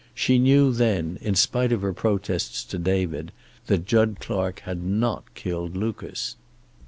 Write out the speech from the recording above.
She knew then, in spite of her protests to David, that Jud Clark had not killed Lucas.